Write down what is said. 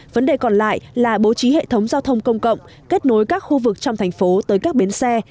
vấn đề còn lại là bố trí hệ thống giao thông công cộng kết nối các khu vực trong thành phố tới các bến xe